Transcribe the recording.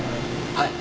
はい。